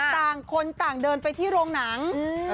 ต่างคนต่างเดินไปที่โรงหนัง